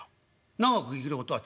「長く生きることは？」。